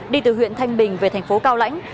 đi từ huyện thanh bình về thành phố cao lãnh